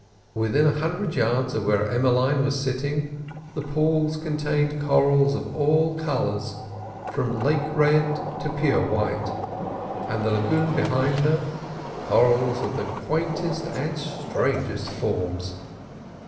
Within a hundred yards of where Emmeline was sitting, the pools contained corals of all colours, from lake red to pure white, and the lagoon behind her—corals of the quaintest and strangest forms.